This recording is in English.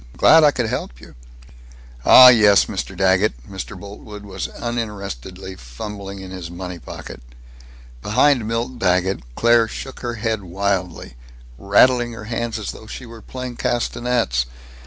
Glad I could help you." "Ah yes, Mr. Daggett." Mr. Boltwood was uninterestedly fumbling in his money pocket. Behind Milt Daggett, Claire shook her head wildly, rattling her hands as though she were playing castanets. Mr.